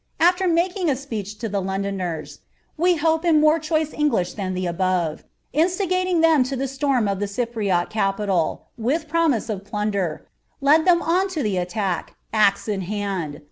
after making a speech to the liouduners, i^we hope in more < &)gliih than the ntiove,) instigating them lo the siorm of the j' t rsniuil, with promise of phmder, led them on to the attack, axe 'i 'iind.